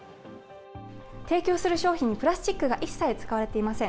提供する商品にプラスチックが一切使われていません。